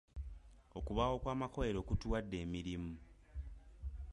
Okubaawo kw'amakolero kutuwadde emirimu.